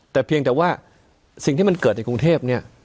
แต่เพียงแต่ว่าสิ่งที่มันเกิดในกรุงเทพเนี่ย